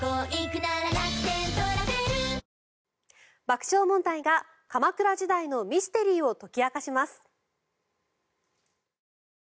爆笑問題が鎌倉時代のミステリーを解き明かします。